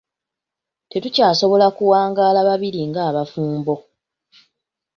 Tetukyasobola kuwangaala babiri nga abafumbo.